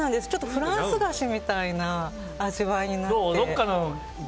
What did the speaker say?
フランス菓子みたいな味わいになって。